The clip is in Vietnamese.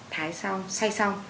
thái xong xay xong